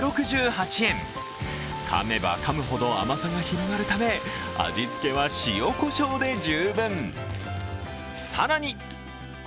かめばかむほど甘さが広がるため味付けは塩こしょうで十分。